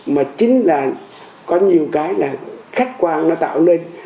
mà chính là có nhiều cái là khách quan nó tạo nên